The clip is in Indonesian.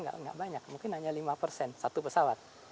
tidak banyak mungkin hanya lima persen satu pesawat